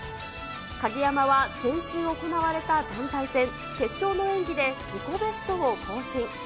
鍵山は先週行われた団体戦決勝の演技で自己ベストを更新。